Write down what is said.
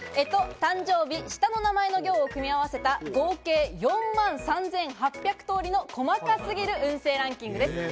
干支、誕生日、下の名前の行を組み合わせた合計４万３８００通りの細かすぎる運勢ランキングです。